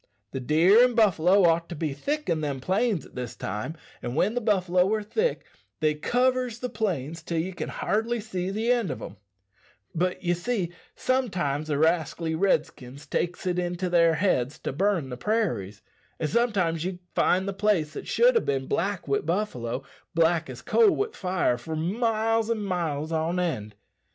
The deer and buffalo ought to be thick in them plains at this time and when the buffalo are thick they covers the plains till ye can hardly see the end o' them; but, ye see, sometimes the rascally Redskins takes it into their heads to burn the prairies, and sometimes ye find the place that should ha' bin black wi' buffalo, black as a coal wi' fire for miles an' miles on end.